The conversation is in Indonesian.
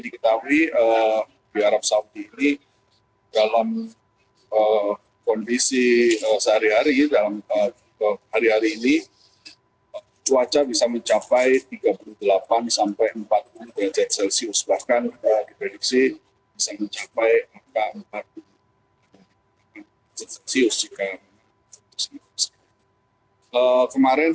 kemarin saya juga ada kesempatan untuk berbunyi di padang arapat